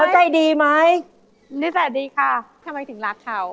ทำไมถึงรักเขา